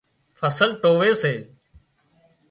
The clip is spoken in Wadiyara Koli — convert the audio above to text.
فصل ٽووي سي